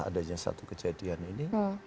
adanya satu kejadian ini